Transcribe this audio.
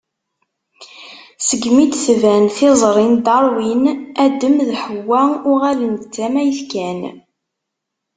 Segmi d-tban tiẓri n Darwin, Adem d Ḥewwa uɣalen d tamayt kan.